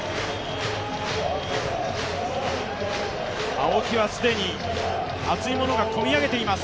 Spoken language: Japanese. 青木は既に熱いものが込み上げています。